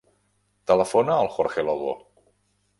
Telefona al Jorge Lobo.